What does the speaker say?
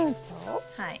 はい。